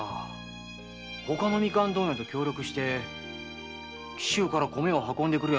ほかのみかん問屋と協力して紀州から米を運んでくりゃ